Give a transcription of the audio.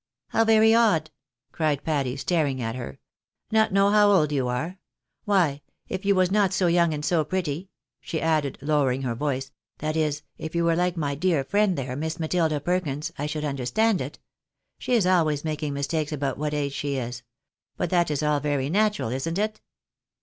" How very odd !" cried Patty, staring at her. " Not know how old you are ? Why, if you was not so young and so pretty," she added, lowering her voice, " that is, if you were Hke my dear friend there. Miss Matilda Perkins, I should understand it. She is always making mistakes about what age she is. But that is all very natural, isn't it